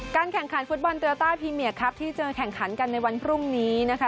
แข่งขันฟุตบอลโยต้าพรีเมียครับที่จะแข่งขันกันในวันพรุ่งนี้นะคะ